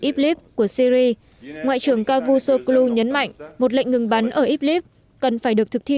idlib của syri ngoại trưởng kavu soklu nhấn mạnh một lệnh ngừng bắn ở idlib cần phải được thực thi